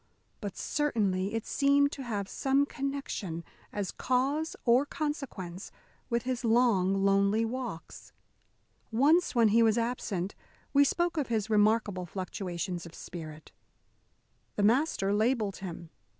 But certainly it seemed to have some connection, as cause or consequence, with his long, lonely walks. Once, when he was absent, we spoke of his remarkable fluctuations of spirit. The master labelled him.